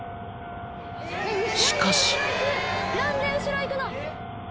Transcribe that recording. ［しかし］